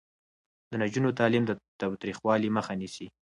د نجونو تعلیم د تاوتریخوالي مخه نیسي.